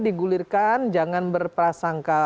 mengulirkan jangan berprasangka